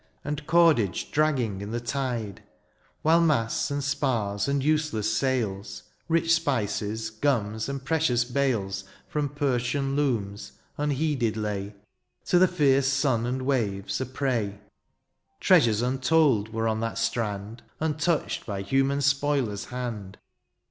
And cordage dragging in the tide. While masts, and spars, and useless sails. Rich spices, gums, and precious bales From Persian looms, unheeded lay. To the fierce sun and waves, a prey. Treasures untold were on that strand Untouched by human spoiler's hand